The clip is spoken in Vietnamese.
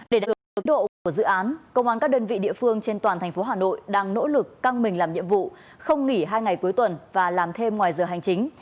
để đạt được tiến độ của dự án công an các đơn vị địa phương trên toàn thành phố hà nội đang nỗ lực căng mình làm nhiệm vụ không nghỉ hai ngày cuối tuần và làm thêm ngoài giờ hành chính